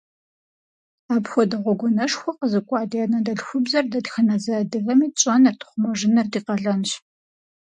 Апхуэдэ гъуэгуанэшхуэ къэзыкӀуа ди анэдэлъхубзэр дэтхэнэ зы адыгэми тщӀэныр, тхъумэжыныр ди къалэнщ.